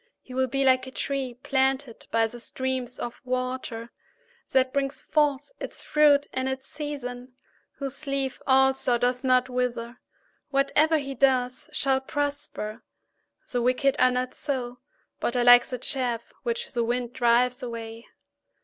3He will be like a tree planted by the streams of water, that brings forth its fruit in its season, whose leaf also does not wither. Whatever he does shall prosper. 4The wicked are not so, but are like the chaff which the wind drives away.